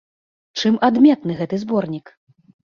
Чым адметны гэты зборнік?